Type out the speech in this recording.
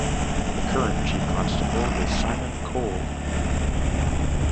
The current Chief Constable is Simon Cole.